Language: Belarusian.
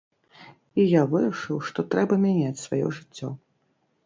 І я вырашыў, што трэба мяняць сваё жыццё.